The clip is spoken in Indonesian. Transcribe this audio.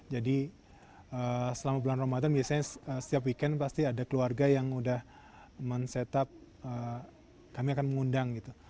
jadi selama bulan ramadan biasanya setiap weekend pasti ada keluarga yang udah men setup kami akan mengundang gitu